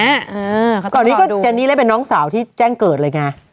เค้าต้องตอบดูอืมเค้าต้องตอบดูก่อนนี้ก็เจนนี่เล่นเป็นน้องสาวที่แจ้งเกิดเลยไง